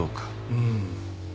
うん。